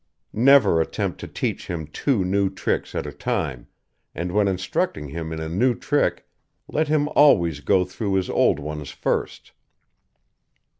Never attempt to teach him two new tricks at a time, and when instructing him in a new trick let him always go through his old ones first.